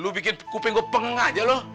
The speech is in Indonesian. lu bikin kuping gue pengen aja lu